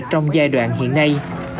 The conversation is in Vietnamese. trong giai đoạn hiện nay